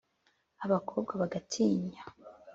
“ abakobwa bagatinya